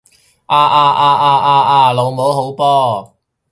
啊啊啊啊啊啊！老母好波！